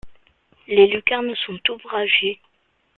Les lucarnes sont ouvragées.